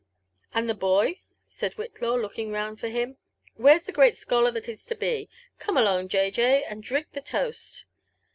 " And the boy V* said Whillaw, looking round for him. Where'a the great scholar that is to be?— Come along, J. J., and drink the toast."